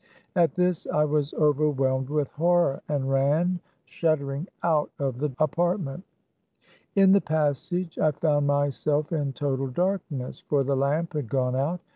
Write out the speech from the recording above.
At this I was overwhelmed with horror, and ran shuddering out of the apartment. In the passage, I found myself in total dark ness ; for the lamp had gone out.